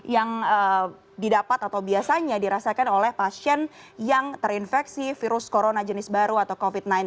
yang didapat atau biasanya dirasakan oleh pasien yang terinfeksi virus corona jenis baru atau covid sembilan belas